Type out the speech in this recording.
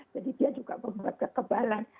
jadi dia juga membuat kekebalan